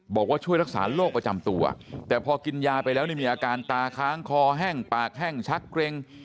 บอกว่าช่วยรักษาโรคประจำตัวแต่พอกินยาไปแล้วนี่มีอาการตาค้างคอแห้งปากแห้งชักเกร็ง